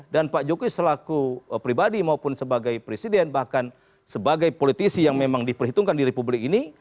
dan pak jokowi selaku pribadi maupun sebagai presiden bahkan sebagai politisi yang memang diperhitungkan di republik ini